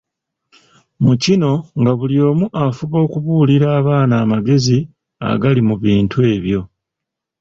Mu kino nga buli omu afuba okubuulira abaana amagezi agali mu bintu ebyo.